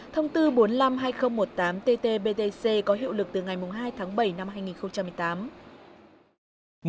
thông tư bốn trăm năm mươi hai nghìn một mươi tám ttbtc có hiệu lực từ ngày hai tháng bảy năm hai nghìn một mươi tám